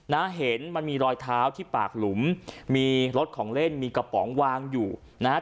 นะเห็นมันมีรอยเท้าที่ปากหลุมมีรถของเล่นมีกระป๋องวางอยู่นะฮะ